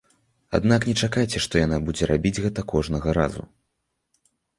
Аднак не чакайце, што яна будзе рабіць гэта кожнага разу!